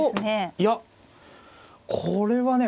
おいやこれはね